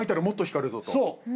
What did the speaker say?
そう。